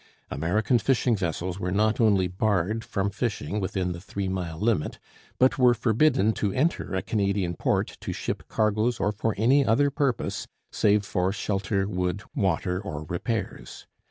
American fishing vessels were not only barred from fishing within the three mile limit but were forbidden to enter a Canadian port to ship cargoes or for any other purpose, save for shelter, wood, water, or repairs.